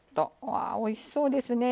わあおいしそうですね。